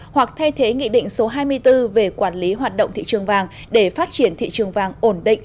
hoặc thay thế nghị định số hai mươi bốn về quản lý hoạt động thị trường vàng để phát triển thị trường vàng ổn định